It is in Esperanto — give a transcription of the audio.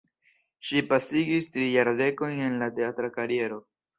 Ŝi pasigis tri jardekojn en la teatra kariero.